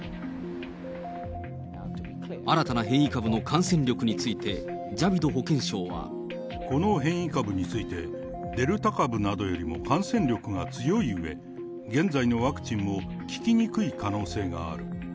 新たな変異株の感染力について、この変異株について、デルタ株などよりも感染力が強いうえ、現在のワクチンも効きにくい可能性がある。